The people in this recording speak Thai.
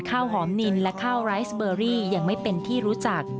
ข้าวหอมนินและข้าวไรสเบอรี่ยังไม่เป็นที่รู้จัก